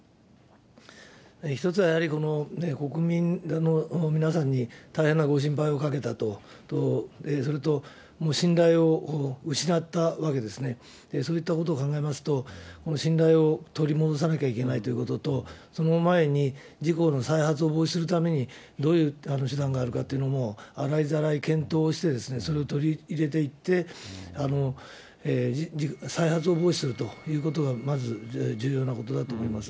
一つはやはり、国民の皆さんに大変なご心配をかけたと、それと信頼を失ったわけですね、そういったことを考えますと、この信頼を取り戻さなければいけないということと、その前に事故の再発防止するために、どういう手段があるかというのも、洗いざらい検討して、それを取り入れていって、再発を防止するということが、まず重要なことだと思います。